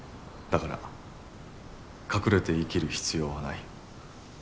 だから隠れて生きる必要はない。